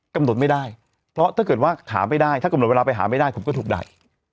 กำหนดไม่ได้เพราะถ้าเกิดว่าหาไม่ได้ถ้ากำหนดเวลาไปหาไม่ได้ผมก็ถูกด่า